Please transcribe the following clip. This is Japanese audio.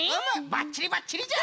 ばっちりばっちりじゃ！